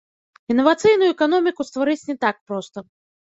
Інавацыйную эканоміку стварыць не так проста.